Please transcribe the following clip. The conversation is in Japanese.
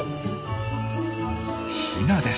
ヒナです。